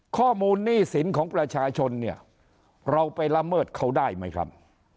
หนี้สินของประชาชนเนี่ยเราไปละเมิดเขาได้ไหมครับ